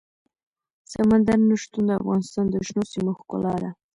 سمندر نه شتون د افغانستان د شنو سیمو ښکلا ده.